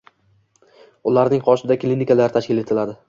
ularning qoshida klinikalar tashkil etiladi